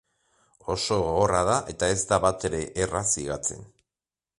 Oso gogorra da eta ez da batere erraz higatzen.